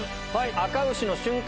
あか牛の瞬間